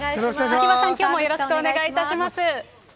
秋葉さん、きょうもよろしくお願いします。